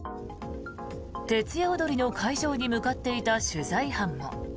徹夜おどりの会場に向かっていた取材班も。